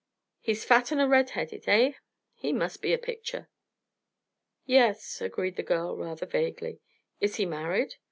"He's fat and red headed, eh? He must be a picture." "Yes," agreed the girl, rather vaguely. "Is he married?"